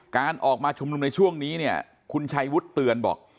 การออกมาชุมนุมในช่วงนี้เนี่ยคุณชัยวุฒิเตือนบอก